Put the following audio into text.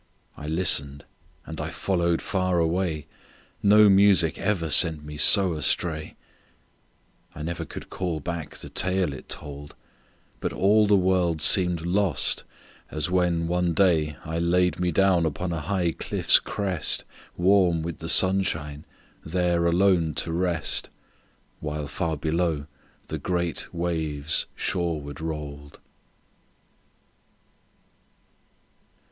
I listened, and I followed far away No music ever sent me so astray, I never could call back the tale it told, But all the world seemed lost, as when, one day, I laid me down upon a high cliff's crest, Warm with the sunshine, there alone to rest, While far below the great waves shoreward rolled.